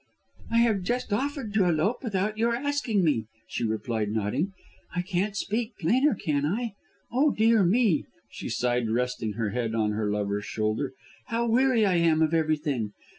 "I have just offered to elope without your asking me," she replied nodding. "I can't speak plainer, can I? Oh, dear me," she sighed, resting her head on her lover's shoulder, "how weary I am of everything.